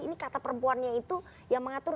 ini kata perempuannya itu yang mengatur